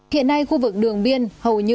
hiện nay khu vực đường biên hầu như đã được rào chắn